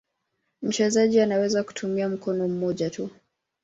Mchezaji anaweza kutumia mkono mmoja tu.